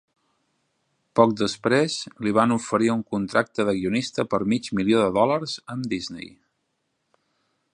Poc després, li van oferir un contracte de guionista per mig milió de dòlars amb Disney.